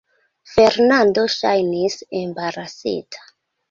Fernando ŝajnis embarasita.